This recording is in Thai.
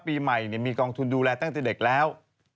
ปีใหม่มีกองทุนดูแลตั้งแต่เด็กแล้ว